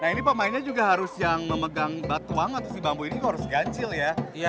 nah ini pemainnya juga harus yang memegang batuang atau si bambu ini kok harus ganjil ya